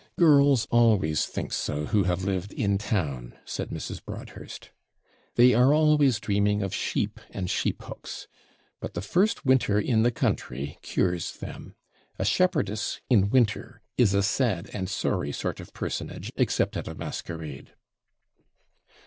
'Girls always think so who have lived in town,' said Mrs. Broadhurst. 'They are always dreaming of sheep and sheephooks; but the first winter the country cures them; a shepherdess, in winter, is a sad and sorry sort of personage, except at a masquerade.'